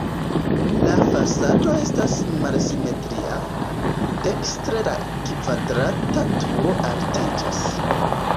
La fasado estas malsimetria, dekstre la kvadrata turo altiĝas.